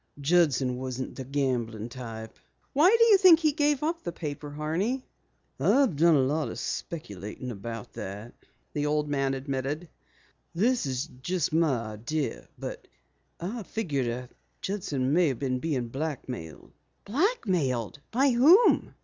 Judson wasn't the gambling type." "Why do you think he gave up the paper, Horney?" "I've done a lot of speculating on it," the old man admitted. "This is just my own idea, but I figure Judson may have been blackmailed." "Blackmailed! By whom?"